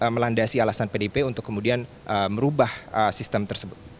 melandasi alasan pdip untuk kemudian merubah sistem tersebut